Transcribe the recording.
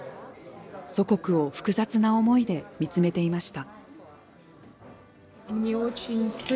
祖国を複雑な思いで見つめていました。